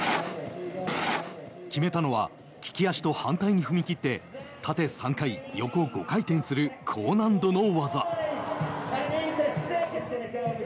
決めたのは利き足と反対に踏み切って縦３回、横５回転する高難度の技。